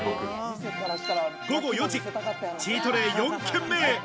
午後４時、チートデイ４軒目。